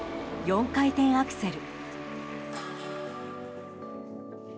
４回転アクセル。